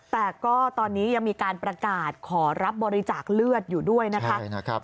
แต่ก็ตอนนี้ยังมีการประกาศขอรับบริจาคเลือดอยู่ด้วยนะคะ